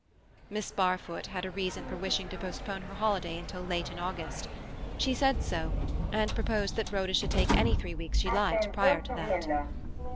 Miss Barfoot had a reason for wishing to postpone her holiday until late in August. She said so, and proposed that Rhoda should take any three weeks she liked prior to that.